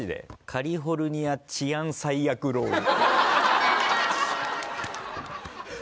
カリフォルニア治安最悪ロール。